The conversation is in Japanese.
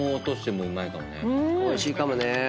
おいしいかもね。